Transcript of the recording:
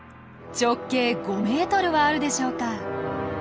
直径５ｍはあるでしょうか。